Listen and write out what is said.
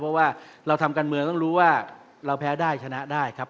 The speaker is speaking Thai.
เพราะว่าเราทำการเมืองต้องรู้ว่าเราแพ้ได้ชนะได้ครับ